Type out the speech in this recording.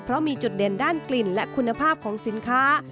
เพราะมีจุดเด่นด้านกลิ่นและคุณภาพของสินค้า